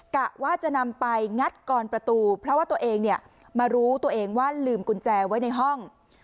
กะว่าจะนำไปงัดกรประตูเพราะว่าตัวเองเนี่ยมารู้ตัวเองว่าลืมกุญแจไว้ในห้อง